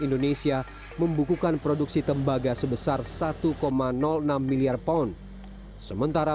indonesia membukukan produksi tembaga sebesar satu enam miliar pound sementara